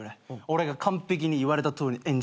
俺が完璧に言われたとおり演じるから。